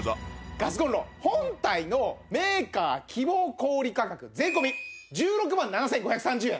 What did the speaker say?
ガスコンロ本体のメーカー希望小売価格税込１６万７５３０円。